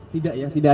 tidak ya tidak ada